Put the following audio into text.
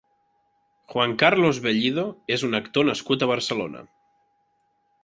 Juan Carlos Vellido és un actor nascut a Barcelona.